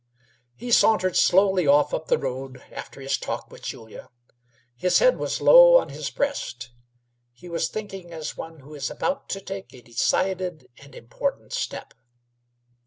He sauntered slowly off up the road after his talk with Julia. His head was low on his breast; he was thinking as one who is about to take a decided and important step.